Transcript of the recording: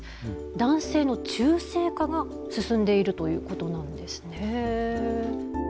男性の中性化が進んでいるということなんですね。